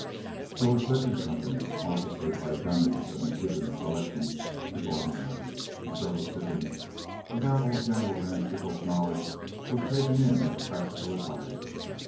So a second company, officered by dummies of McKibben's selection, was organized. De Soto Sippens, without old General Van Sickle's knowledge, was taken in as practical adviser.